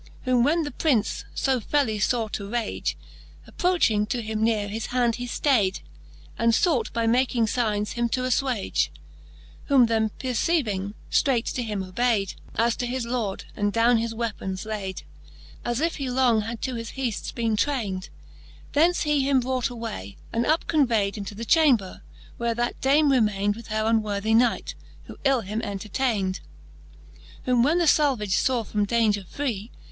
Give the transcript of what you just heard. Whom when the Prince fo felly faw to rage, Approching to him neare, his hand he ftayd, And fought, by making fignes, him to affwage : Who them perceiving, ftreight to him obayd, As to his Lord, and downe his weapons layd, As if he long had to his heafts bene trayned. Thence he him brought away, and up convayd Into the chamber, where that Dame remayned With her unworthy knight, who ill him entertayned. XL. Whom when the Salvage faw from daunger free.